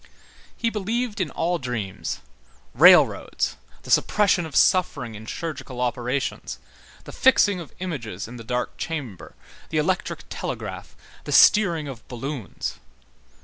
He believed in all dreams, railroads, the suppression of suffering in chirurgical operations, the fixing of images in the dark chamber, the electric telegraph, the steering of balloons.